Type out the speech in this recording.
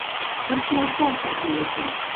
Per què el Tolc es diu així?